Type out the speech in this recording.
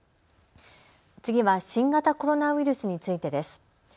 次は新型コロナウイルスについてです。